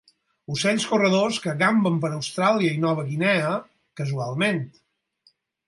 Ocells corredors que gamben per Austràlia i Nova Guinea, casualment.